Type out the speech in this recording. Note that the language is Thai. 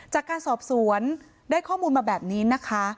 จากการสอบสวนได้ข้อมูลมาแบบนี้นะคะ